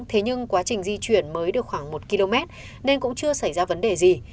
thế nhưng quá trình di chuyển mới được khoảng một km nên cũng chưa xảy ra vấn đề gì